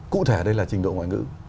cụ thể đây là trình độ ngoại ngữ